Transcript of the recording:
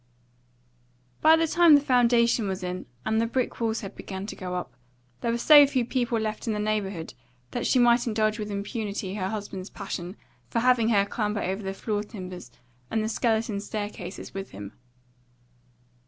By the time the foundation was in and the brick walls had begun to go up, there were so few people left in the neighbourhood that she might indulge with impunity her husband's passion for having her clamber over the floor timbers and the skeleton stair cases with him.